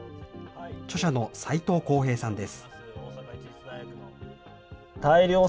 著者の斎藤幸平さんです。